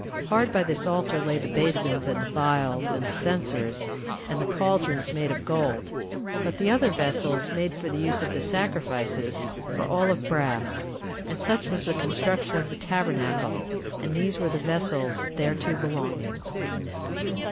Hard by this altar lay the basins, and the vials, and the censers, and the caldrons, made of gold; but the other vessels, made for the use of the sacrifices, were all of brass. And such was the construction of the tabernacle; and these were the vessels thereto belonging.